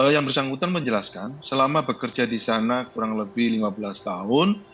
yang bersangkutan menjelaskan selama bekerja di sana kurang lebih lima belas tahun